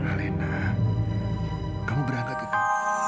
alena kamu berangkat ke kantor